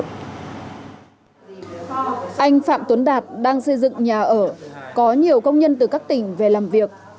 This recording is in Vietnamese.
anh phạm tuấn đạt đang xây dựng nhà ở có nhiều công nhân từ các tỉnh về làm việc